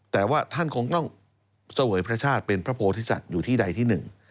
แต่ว่าท่านคงต้องเสวยพระชาติเป็นพระโพธิสัตว์อยู่ที่ใดที่หนึ่ง